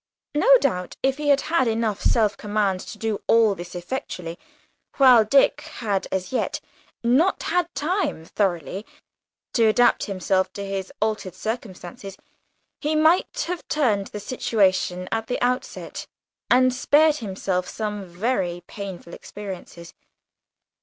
No doubt, if he had had enough self command to do all this effectually, while Dick had as yet not had the time thoroughly to adapt himself to his altered circumstances, he might have turned the situation at the outset, and spared himself some very painful experiences.